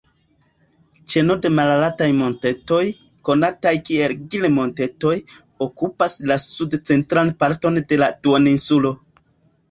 Ĉeno de malaltaj montetoj, konataj kiel Gir-Montetoj, okupas la sud-centran parton de la duoninsulo.